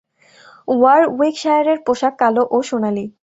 ওয়ারউইকশায়ারের পোশাক কালো ও সোনালী।